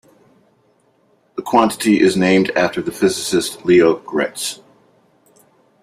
The quantity is named after the physicist Leo Graetz.